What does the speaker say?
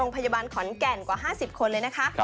โรงพยาบาลขอนแก่นกว่า๕๐คนเลยนะคะ